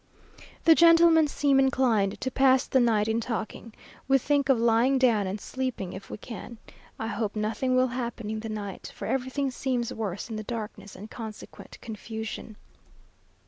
The gentlemen seem inclined to pass the night in talking. We think of lying down, and sleeping if we can. I hope nothing will happen in the night, for everything seems worse in the darkness and consequent confusion.